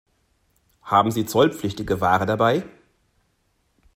Haben Sie zollpflichtige Ware dabei?